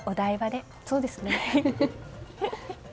そうですね。